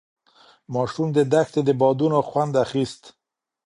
ماشوم د دښتې د بادونو خوند اخیست.